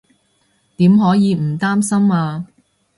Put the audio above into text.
點可以唔擔心啊